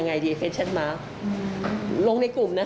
สวัสดีคุณผู้ชายสวัสดีคุณผู้ชาย